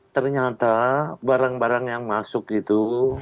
ternyata barang barang yang masuk itu